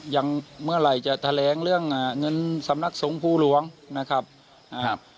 อย่างเมื่อไหร่จะแถลงเรื่องอ่าเงินสำนักสงภูหลวงนะครับอ่า